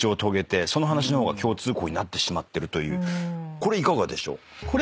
これいかがでしょう？